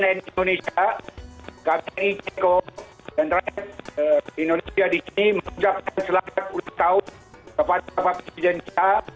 memiliki indonesia tapi kok indonesia di tim ucapkan selamat usaha kepada pak jensa